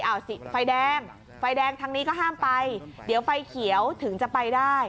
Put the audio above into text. เอาสิไฟแดงไฟแดงทางนี้ก็ห้ามไปเดี๋ยวไฟเขียวถึงจะไปได้